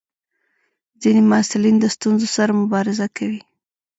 ځینې محصلین د ستونزو سره مبارزه کوي.